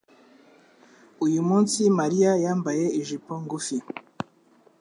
Uyu munsi, Mariya yambaye ijipo ngufi.